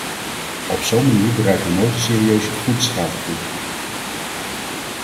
Op zo een manier bereiken we nooit een serieuze groetstrategie.